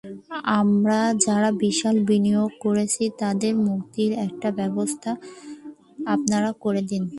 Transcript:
আমরা যারা বিশাল বিনিয়োগ করেছি, তাদের মুক্তির একটা ব্যবস্থা আপনারা করে দিন।